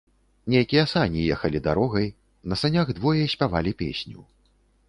Нейкія сані ехалі дарогай, на санях двое спявалі песню.